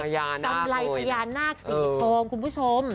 กำไรพญานาคสีทองคุณผู้ชม